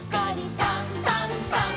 「さんさんさん」